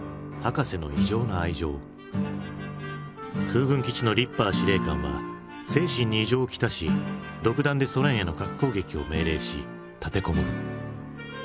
空軍基地のリッパー司令官は精神に異常をきたし独断でソ連への核攻撃を命令し立て籠もる。